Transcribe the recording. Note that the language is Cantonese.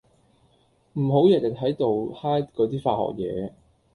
唔好日日喺度 high 嗰啲化學嘢